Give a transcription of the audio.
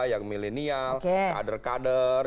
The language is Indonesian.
yang milenial kader kader